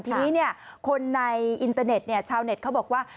ทีนี้คนในอินเตอร์เน็ตชาวเน็ตเขาบอกว่า